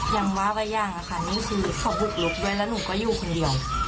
ยังว่าไปยังค่ะนี่คือเขาบุกลุกด้วยแล้วหนูก็อยู่คนเดียว